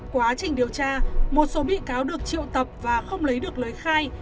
quá trình điều tra một số bị cáo được triệu tập và không lấy được lời khai